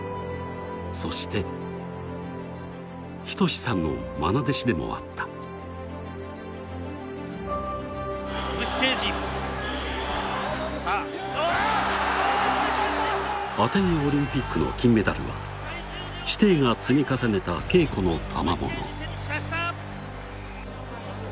そして仁さんの愛弟子でもあった鈴木桂治さあアテネオリンピックの金メダルは師弟が積み重ねた稽古のたまもの